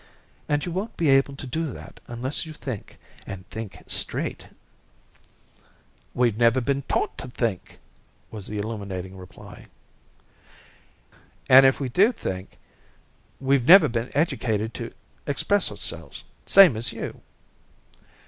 And you won't be able to do that unless you think, and think straight." "We've never been taught to think," was the illuminating reply. "And if we do think we've never been educated to express ourselves, same as you!"